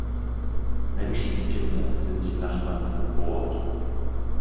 Menschenskinder, sind die Nachbarn verbohrt!